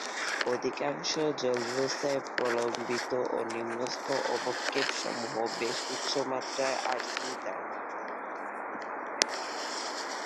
অধিকাংশ জলব্যবস্থায় প্রলম্বিত ও নিম্নস্থ অবক্ষেপসমূহ বেশ উচ্চমাত্রার আর্সেনিক ধারণ করে।